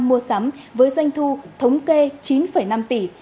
mua sắm với doanh thu thống kê chín năm tỷ